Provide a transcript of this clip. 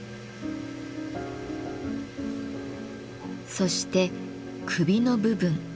そして首の部分。